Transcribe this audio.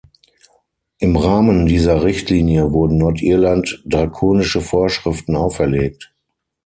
Im Rahmen dieser Richtlinie wurden Nordirland drakonische Vorschriften auferlegt.